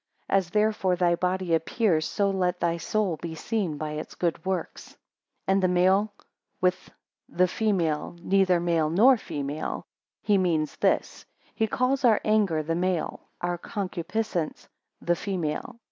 As therefore thy body appears, so let thy soul be seen by its good works. 4 And the male with, the female, neither Male nor female; He means this; he calls our anger the male, our concupiscence the female.